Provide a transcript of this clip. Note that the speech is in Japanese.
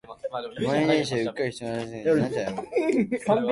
満員電車で、うっかり人の足を踏んじゃった時はなんて謝ればいいんだろう。